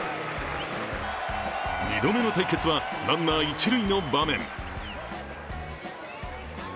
２度目の対決はランナー一塁の場面。